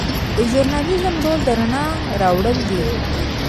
د ژورنالیزم رول د رڼا راوړل دي.